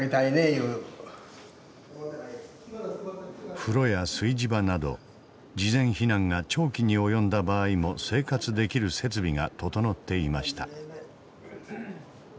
風呂や炊事場など事前避難が長期に及んだ場合も生活できる設備が整っていました。